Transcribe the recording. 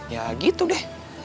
ya gitu deh